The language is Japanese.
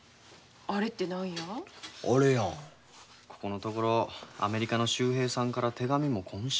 ここのところアメリカの秀平さんから手紙も来んし。